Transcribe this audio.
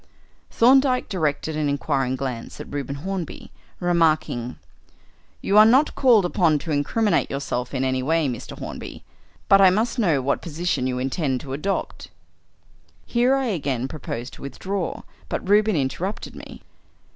Thorndyke directed an inquiring glance at Reuben Hornby, remarking "You are not called upon to incriminate yourself in any way, Mr. Hornby, but I must know what position you intend to adopt." Here I again proposed to withdraw, but Reuben interrupted me.